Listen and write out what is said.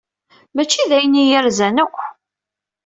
Mačči d ayen i y-irzan akk.